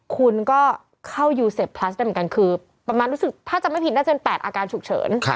คุณก็เข้ายูเซฟพลัสได้เหมือนกันคือประมาณรู้สึกถ้าจำไม่ผิดน่าจะเป็น๘อาการฉุกเฉิน